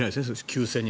休戦に。